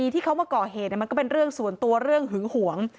ที่เขามาก่อเหตุมันก็เป็นเรื่องส่วนตัวเรื่องหึงหวง